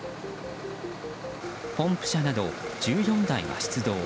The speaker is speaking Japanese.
ポンプ車など１４台が出動。